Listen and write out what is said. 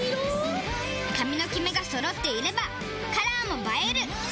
髪のキメがそろっていればカラーも映える！